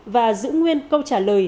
và giữ nguyên câu trả lời